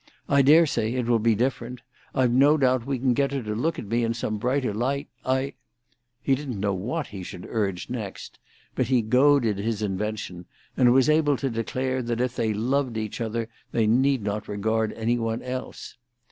I dare say it will be different; I've no doubt we can get her to look at me in some brighter light. I—" He did not know what he should urge next; but he goaded his invention, and was able to declare that if they loved each other they needed not regard any one else.